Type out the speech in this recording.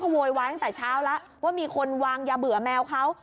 โวยวายตั้งแต่เช้าแล้วว่ามีคนวางยาเบื่อแมวเขา